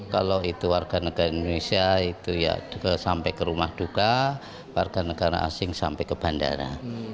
kalau itu warga negara indonesia itu ya sampai ke rumah duka warga negara asing sampai ke bandara